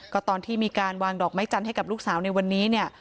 ก็ตอนที่มีการวางดอกไม้จันทร์ให้กับลูกสาวในวันนี้เนี่ย